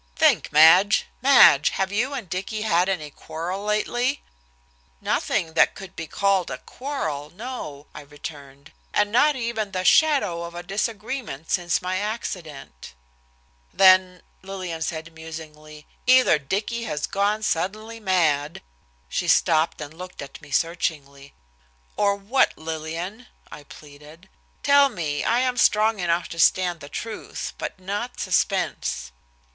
"Think, Madge, Madge, have you and Dicky had any quarrel lately?" "Nothing that could be called a quarrel, no," I returned, "and, not even the shadow of a disagreement since my accident." "Then," Lillian said musingly, "either Dicky has gone suddenly mad " She stopped and looked at me searchingly. "Or what, Lillian," I pleaded. "Tell me. I am strong enough to stand the truth, but not suspense."